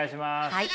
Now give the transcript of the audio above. はい。